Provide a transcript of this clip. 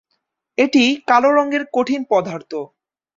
এটি কালো রঙের কঠিন পদার্থ।